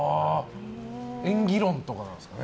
演技論とかですかね。